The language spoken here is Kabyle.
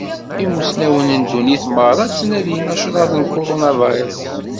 Imusnawen n ddunit meṛṛa ttnadin acraḍ n Kuṛunavirus.